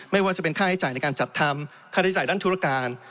ไม่ว่าจะเป็นค่าใช้จ่ายในการจัดทำค่าใช้จ่ายด้านธุรการ